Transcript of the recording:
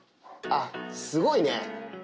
あっ、すごいね。